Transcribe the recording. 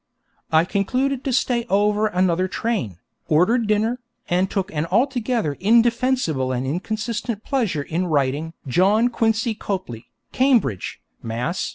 I concluded to stay over another train, ordered dinner, and took an altogether indefensible and inconsistent pleasure in writing 'John Quincy Copley, Cambridge, Mass.